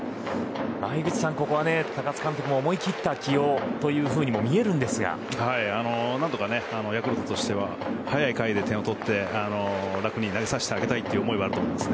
井口さん、ここは高津監督も思い切った起用にも何とかヤクルトとしては早い回で点を取って楽に投げさせてあげたいという思いはあると思います。